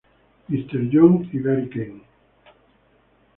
M. Jones y Gary Kent.